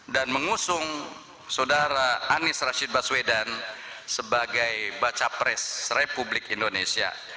dan mengusung saudara anies rashid baswedan sebagai baca pres republik indonesia